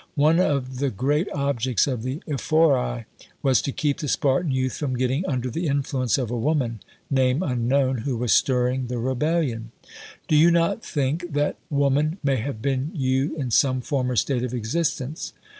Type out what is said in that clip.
One of the great objects of the Ephori was to keep the Spartan youth from getting under the influence of a woman (name unknown) who was stirring the rebellion. Do you not think that woman may have been you in some former state of existence?"